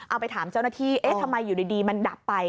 เอาไปถามเจ้าหน้าที่เอ๊ะทำไมอยู่ดีมันดับไป